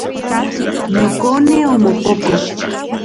Nokone omokokok.